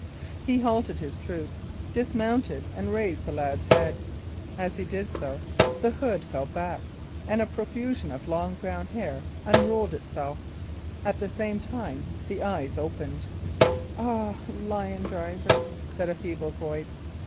He halted his troop, dismounted, and raised the lad's head. As he did so, the hood fell back, and a profusion of long brown hair unrolled itself. At the same time the eyes opened. "Ah! lion driver!" said a feeble voice.